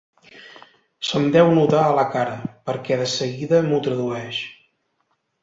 Se'm deu notar a la cara, perquè de seguida m'ho tradueix.